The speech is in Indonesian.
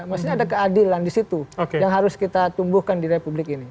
maksudnya ada keadilan di situ yang harus kita tumbuhkan di republik ini